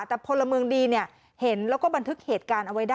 แต่พลเมืองดีเห็นแล้วก็บันทึกเหตุการณ์เอาไว้ได้